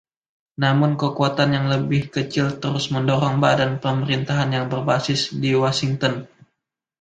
Namun kekuatan yang lebih kecil terus mendorong badan pemerintahan yang berbasis di Washington.